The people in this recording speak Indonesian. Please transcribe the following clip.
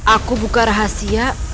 aku buka rahasia